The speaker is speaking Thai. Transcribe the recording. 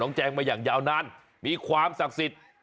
แจงมาอย่างยาวนานมีความศักดิ์สิทธิ์